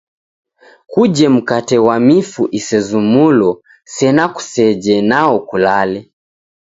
Kuje mkate ghwa mifu isezumulo sena kuseje nwao kulale.